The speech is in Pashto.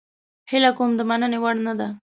هیله کوم د مننې وړ نه ده